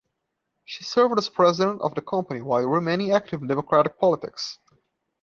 She served as president of the company while remaining active in Democratic politics.